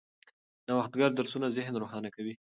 نوښتګر درسونه ذهن روښانه کوي.